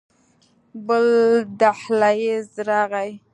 بل دهليز راغى.